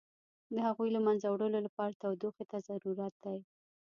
د هغوی له منځه وړلو لپاره تودوخې ته ضرورت دی.